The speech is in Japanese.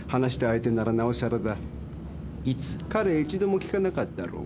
彼一度も聞かなかったろう。